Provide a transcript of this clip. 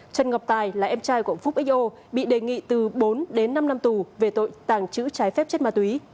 trần ngọc tài là em trai của phúc xo bị đề nghị từ bốn đến năm năm tù về tội tàng trữ trái phép chất ma túy